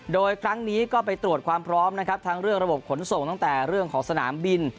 โดยครั้งนี้ก็ไปตรวจความพร้อมนะครับทั้งเรื่องระบบขนส่งตั้งแต่เรื่องของสนามบิน